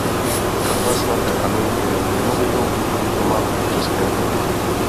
Kaple svaté Anny je nemovitou kulturní památkou České republiky.